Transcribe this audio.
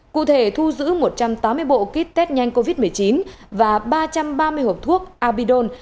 cụ thể thu giữ một trăm tám mươi bộ kit test nhanh covid một mươi chín và ba trăm ba mươi hộp thuốc abidon